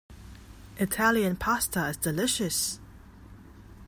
Italian Pasta is delicious.